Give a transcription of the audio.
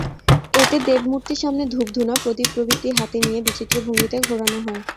এতে দেবমূর্তির সামনে ধূপধুনা, প্রদীপ প্রভৃতি হাতে নিয়ে বিচিত্র ভঙ্গিতে ঘোরানো হয়।